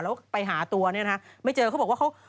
แล้วไปหาตัวเนี่ยนะไม่เจอเขาบอกว่าเขา